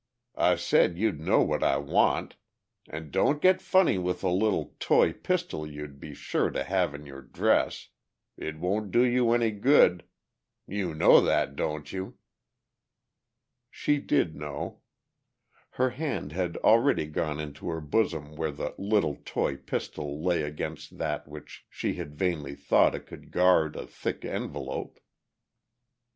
I said you'd know what I want. And don't get funny with the little toy pistol you'd be sure to have in your dress. It won't do you any good; you know that, don't you?" She did know. Her hand had already gone into her bosom where the "little toy pistol" lay against that which she had vainly thought it could guard, a thick envelope.